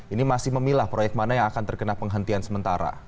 ini masih memilah proyek mana yang akan terkena penghentian sementara